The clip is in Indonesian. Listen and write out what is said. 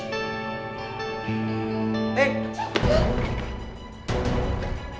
mau ngapain karim